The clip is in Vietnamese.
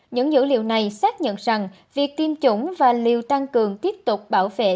những dữ liệu này xác nhận rằng việc tiêm chủng và liều tăng cường tiếp tục bảo vệ